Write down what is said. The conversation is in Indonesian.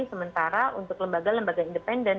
sementara untuk lembaga lembaga independen